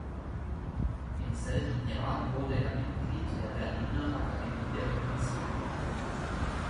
Im selben Jahr wurde er Mitglied der Berliner Akademie der Künste.